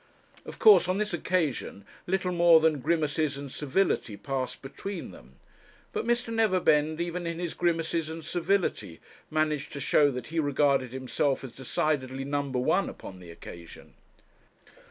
Of course, on this occasion, little more than grimaces and civility passed between them; but Mr. Neverbend, even in his grimaces and civility, managed to show that he regarded himself as decidedly No. 1 upon the occasion.